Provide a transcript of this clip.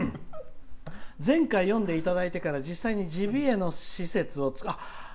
「前回読んでいただいてから実際にジビエの施設を」。